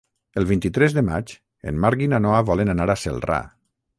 El vint-i-tres de maig en Marc i na Noa volen anar a Celrà.